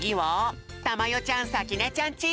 ちゃんさきねちゃんチーム！